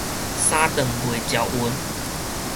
三頓袂齊勻